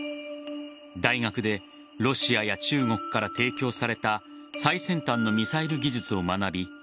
大学でロシアや中国から提供された最先端のミサイル技術を学び